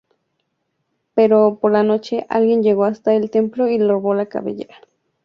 Pero por la noche alguien llegó hasta el templo y robó la cabellera.